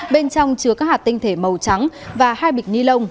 bên trong chứa các hạt tinh thể màu trắng và hai bịch ni lông